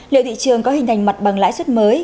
liệu thị trường có hình thành mặt bằng lãi suất mới